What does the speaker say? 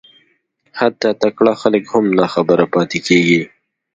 حتی تکړه خلک هم ناخبره پاتېږي